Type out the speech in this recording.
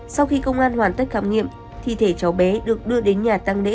sau khi công an hoàn tất khám nghiệm thi thể cháu bé được đưa đến nhà tăng lễ